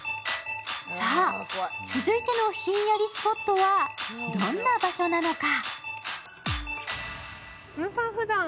さあ、続いてのひんやりスポットはどんな場所なのか？